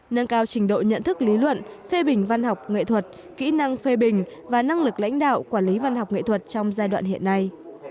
nâng cao trình độ nhận thức lý luận phê bình văn học nghệ thuật kỹ năng phê bình và năng lực lãnh đạo quản lý văn học nghệ thuật trong giai đoạn hiện nay